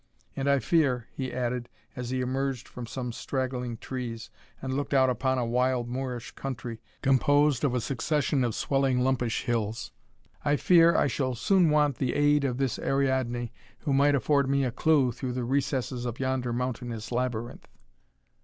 And I fear," he added, as he emerged from some straggling trees, and looked out upon a wild moorish country, composed of a succession of swelling lumpish hills, "I fear I shall soon want the aid of this Ariadne, who might afford me a clew through the recesses of yonder mountainous labyrinth."